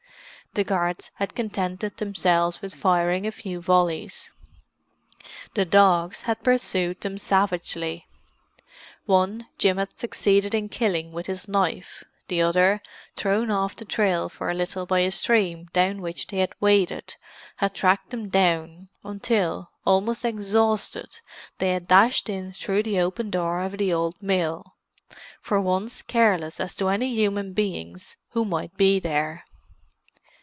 The guards had contented themselves with firing a few volleys—the dogs had pursued them savagely. One Jim had succeeded in killing with his knife, the other, thrown off the trail for a little by a stream down which they had waded, had tracked them down, until, almost exhausted, they had dashed in through the open door of the old mill—for once careless as to any human beings who might be there.